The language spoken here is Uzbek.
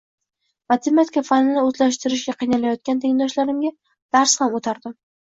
Matematika fanini o`zlashtirishga qiynalayotgan tengdoshlarimga dars ham o`tardim